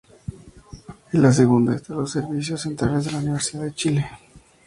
En la segunda están los servicios centrales de la Universidad de Chile.